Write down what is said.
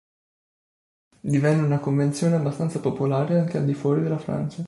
Divenne una convenzione abbastanza popolare anche al di fuori della Francia.